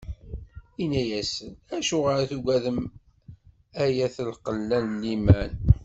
Inna-asen: Acuɣer i tugadem, ay at lqella n liman?